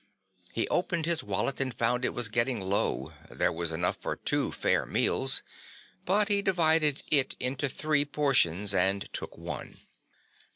He opened his wallet and found it was getting low; there was enough for two fair meals, but he divided it into three portions and took one.